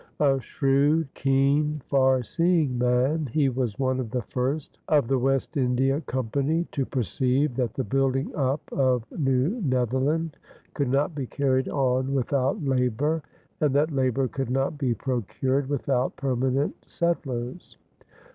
A shrewd, keen, far seeing man, he was one of the first of the West India Company to perceive that the building up of New Netherland could not be carried on without labor, and that labor could not be procured without permanent settlers.